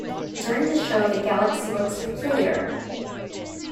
During the show the galaxy looks peculiar.